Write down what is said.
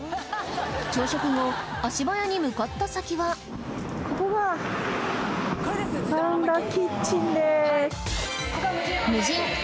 朝食後足早に向かった先はここがパンダキッチンです。